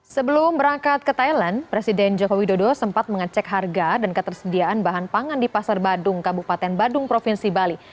sebelum berangkat ke thailand presiden joko widodo sempat mengecek harga dan ketersediaan bahan pangan di pasar badung kabupaten badung provinsi bali